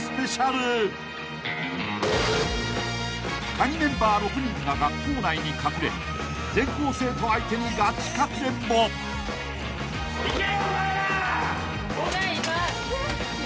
［カギメンバー６人が学校内に隠れ全校生徒相手にガチかくれんぼ］来た！